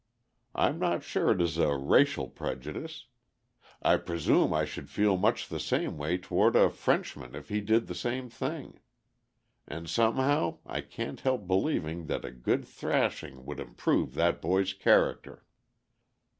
I'm not sure it is racial prejudice; I presume I should feel much the same way toward a Frenchman if he did the same thing. And somehow I can't help believing that a good thrashing would improve that boy's character."